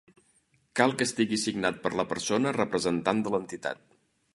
Cal que estigui signat per la persona representant de l'entitat.